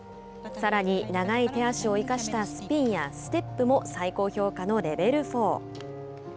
さらに、長い手足を生かしたスピンやステップも最高評価のレベル４。